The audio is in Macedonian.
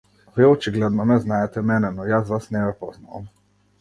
Вие очигледно ме знаете мене, но јас вас не ве познавам.